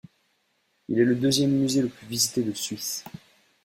Il est le deuxième musée le plus visité de Suisse.